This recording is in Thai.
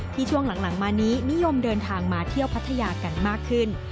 ช่วงหลังมานี้นิยมเดินทางมาเที่ยวพัทยากันมากขึ้น